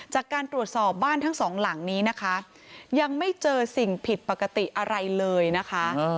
จากการตรวจสอบบ้านทั้งสองหลังนี้นะคะยังไม่เจอสิ่งผิดปกติอะไรเลยนะคะ